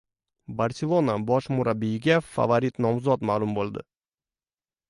«Barselona» bosh murabbiyligiga favorit nomzod ma’lum bo‘ldi